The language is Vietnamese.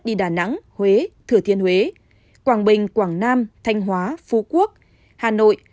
đi đà nẵng huế thừa thiên huế quảng bình quảng nam thanh hóa phú quốc hà nội